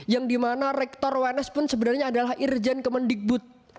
yang dimana rektor wns pun sebenarnya adalah irjen kemendikbud